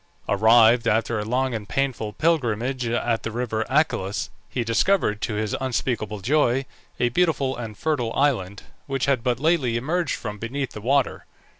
Arrived after a long and painful pilgrimage at the river Achelous, he discovered, to his unspeakable joy, a beautiful and fertile island, which had but lately emerged from beneath the water.